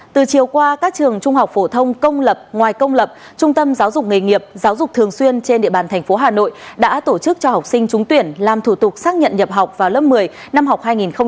từ chiều qua các trường trung học phổ thông công lập ngoài công lập trung tâm giáo dục nghề nghiệp giáo dục thường xuyên trên địa bàn thành phố hà nội đã tổ chức cho học sinh trúng tuyển làm thủ tục xác nhận nhập học vào lớp một mươi năm học hai nghìn hai mươi hai nghìn hai mươi